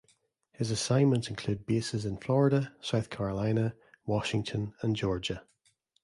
His assignments include bases in Florida, South Carolina, Washington and Georgia.